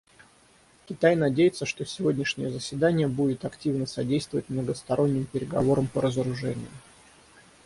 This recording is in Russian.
Китай надеется, что сегодняшнее заседание будет активно содействовать многосторонним переговорам по разоружению.